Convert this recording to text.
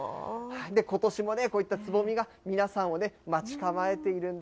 ことしもね、こういったつぼみが、皆さんを待ち構えているんです。